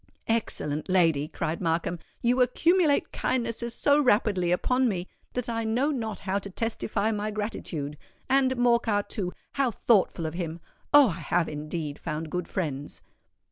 "Excellent lady!" cried Markham; "you accumulate kindnesses so rapidly upon me, that I know not how to testify my gratitude. And, Morcar, too—how thoughtful of him! Oh! I have indeed found good friends."